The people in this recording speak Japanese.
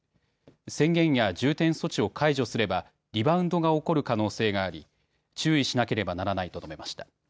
宣言や重点措置を解除すればリバウンドが起こる可能性があり注意しなければならないと述べました。